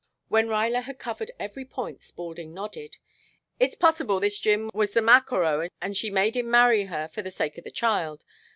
When Ruyler had covered every point Spaulding nodded. "It's possible this Jim was the maquereau and she made him marry her for the sake of the child.